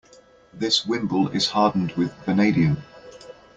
This wimble is hardened with vanadium.